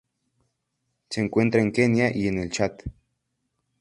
Se encuentra en Kenia y en el Chad.